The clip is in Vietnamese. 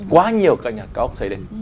quá nhiều cái ốc xây đất